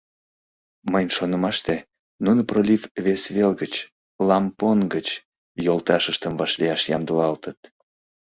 Мыйын шонымаште, нуно пролив вес вел гыч, Лампонг гыч, йолташыштым вашлияш ямдылалтыт.